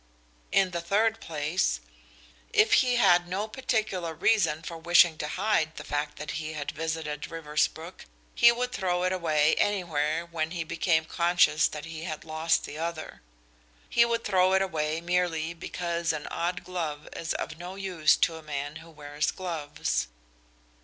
In the third place, if he had no particular reason for wishing to hide the fact that he had visited Riversbrook he would throw it away anywhere when he became conscious that he had lost the other. He would throw it away merely because an odd glove is of no use to a man who wears gloves.